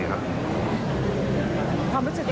ตั้งแต่ที่ทราบครั้งน้อง๑๓คนมาแล้วกัน